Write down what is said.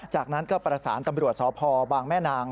จากนั้นก็ประสานตำรวจสพบางแม่นาง